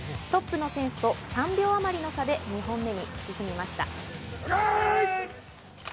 トップの選手と３秒あまりの差で２本目に進みました。